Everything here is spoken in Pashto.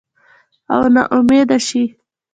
او نا امیده شي